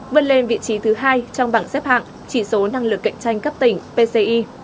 vươn lên vị trí thứ hai trong bảng xếp hạng chỉ số năng lực cạnh tranh cấp tỉnh pci